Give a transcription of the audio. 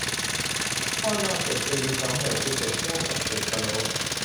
ข้าวหน้าเป็ด จะมีสองแบบคือเป็ดย่าง กับเป็ดพะโล้